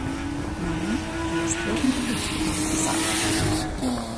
Nein, erst werden Gedichte aufgesagt!